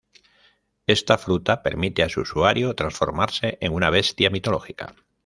Esta fruta permite a su usuario transformarse en una bestia mitológica.